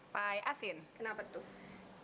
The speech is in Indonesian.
pie asin kenapa tuh